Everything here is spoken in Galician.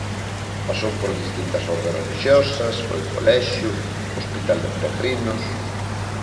Pasou por distintas ordes relixiosas, foi colexio, hospital de peregrinos...